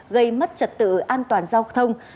gây mất trật tự an toàn giao thông